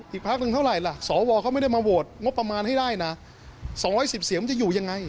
พักหนึ่งเท่าไหร่ล่ะสวเขาไม่ได้มาโหวตงบประมาณให้ได้นะ๒๑๐เสียงมันจะอยู่ยังไง